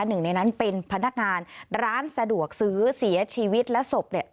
หนึ่งในนั้นเป็นพนักงานร้านสะดวกซื้อเสียชีวิตและศพเนี่ย